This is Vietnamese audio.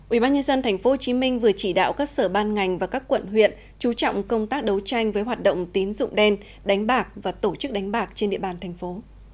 ubnd tp hcm vừa chỉ đạo các sở ban ngành và các quận huyện chú trọng công tác đấu tranh với hoạt động tín dụng đen đánh bạc và tổ chức đánh bạc trên địa bàn thành phố